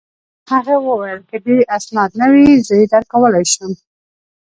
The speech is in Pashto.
هغه وویل: که دي اسناد نه وي، زه يې درکولای شم.